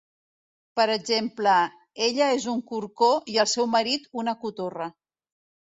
Per exemple: "ella és un corcó i el seu marit una cotorra".